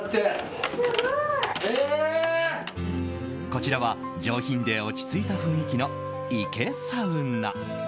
こちらは上品で落ち着いた雰囲気のＩＫＥサウナ。